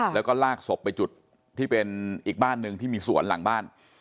แล้วก็ลากศพไปจุดที่เป็นอีกบ้านหนึ่งที่มีสวนหลังบ้าน